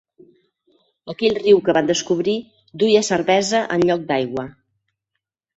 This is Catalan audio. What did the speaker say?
Aquell riu que van descobrir duia cervesa en lloc d'aigua.